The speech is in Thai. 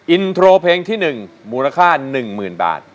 อินโทรเพลงที่๑มูลค่า๑๐๐๐บาท